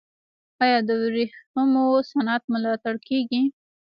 آیا د ورېښمو صنعت ملاتړ کیږي؟